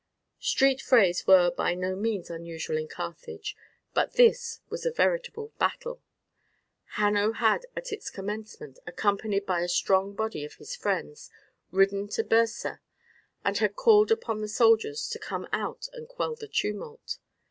Street frays were by no means unusual in Carthage, but this was a veritable battle. Hanno had at its commencement, accompanied by a strong body of his friends, ridden to Byrsa, and had called upon the soldiers to come out and quell the tumult.